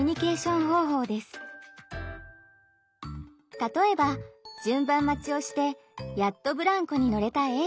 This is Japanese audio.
例えば順番待ちをしてやっとブランコに乗れたＡさん。